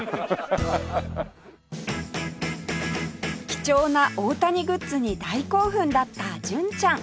貴重な大谷グッズに大興奮だった純ちゃん